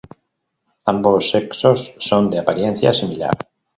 Ambos sexos son de apariencia similar.